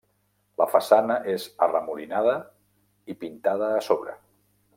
La façana és arremolinada i pintada a sobre.